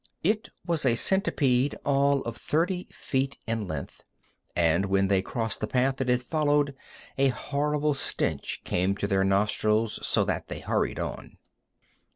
It was a centipede all of thirty feet in length, and when they crossed the path it had followed a horrible stench came to their nostrils so that they hurried on.